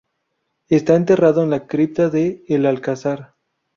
Está enterrado en la cripta de El Alcázar.